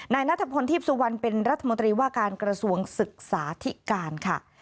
นายนัทพลทีพสุวรรณเป็นรัฐมนตรีว่าการกระทรวงศึกษาธิการค่ะ